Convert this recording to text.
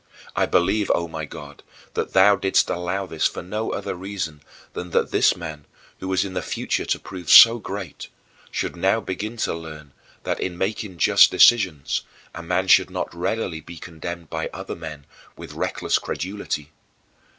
I believe, O my God, that thou didst allow this for no other reason than that this man who was in the future to prove so great should now begin to learn that, in making just decisions, a man should not readily be condemned by other men with reckless credulity.